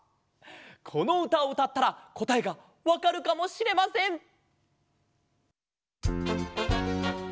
このうたをうたったらこたえがわかるかもしれません。